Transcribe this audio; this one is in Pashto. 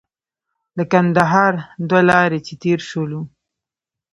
له کندهار دوه لارې چې تېر شولو.